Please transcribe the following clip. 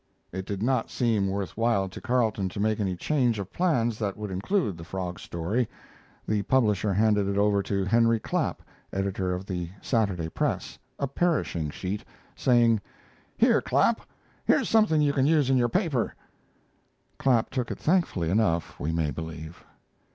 It did not seem worth while to Carleton to make any change of plans that would include the frog story. The publisher handed it over to Henry Clapp, editor of the Saturday Press, a perishing sheet, saying: "Here, Clapp, here's something you can use in your paper." Clapp took it thankfully enough, we may believe.